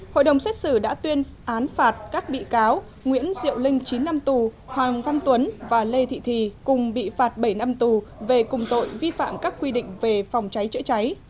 hội đồng xét xử đã tuyên án phạt các bị cáo nguyễn diệu linh chín năm tù hoàng văn tuấn và lê thị thì cùng bị phạt bảy năm tù về cùng tội vi phạm các quy định về phòng cháy chữa cháy